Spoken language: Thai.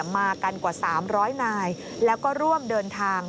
มากันกว่า๓๐๐นายแล้วก็ร่วมเดินทาง